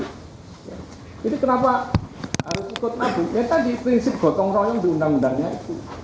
ini tadi prinsip gotong royong di undang undang itu